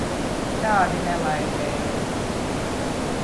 Tādi nelaidēji!